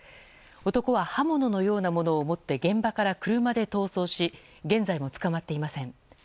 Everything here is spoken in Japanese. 男は刃物のようなものを持って現場から車で逃走し現在も捕まっていません。